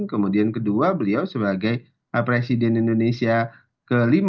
kemudian kedua beliau sebagai presiden indonesia ke lima